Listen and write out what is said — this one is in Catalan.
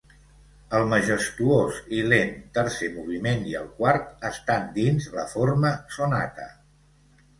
El majestuós i lent tercer moviment i el quart estan dins la forma sonata.